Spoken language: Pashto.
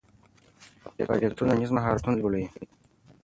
فعالیتونه ټولنیز مهارتونه لوړوي.